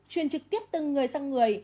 truyền trực tiếp từ người sang người